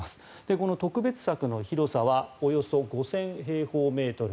この特別柵の広さはおよそ５０００平方メートル。